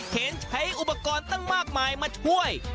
เห็นใช้อุปกรณ์ตั้งมากมายมาช่วย